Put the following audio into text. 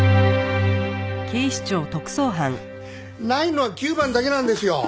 ないのは９番だけなんですよ。